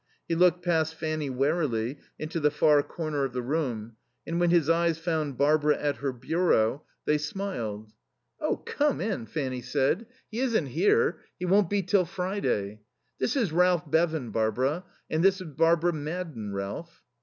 He looked past Fanny, warily, into the far corner of the room, and when his eyes found Barbara at her bureau they smiled. "Oh, come in," Fanny said. "He isn't here. He won't be till Friday. This is Ralph Bevan, Barbara; and this is Barbara Madden, Ralph."